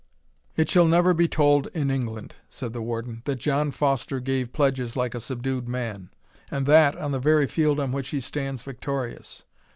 "It shall never be told in England," said the Warden, "that John Foster gave pledges like a subdued man, and that on the very field on which he stands victorious.